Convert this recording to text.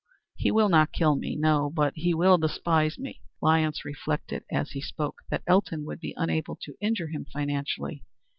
"He will not kill me, no; but he will despise me." Lyons reflected, as he spoke, that Elton would be unable to injure him financially.